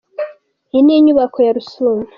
Iyi ni inyubako ya Rusumo.